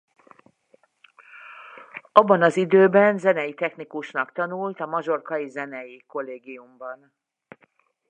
Abban az időben zenei technikusnak tanult a Majorca-i Zenei Kollégiumban.